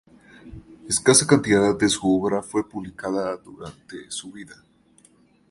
Escasa cantidad de su obra fue publicada durante su vida.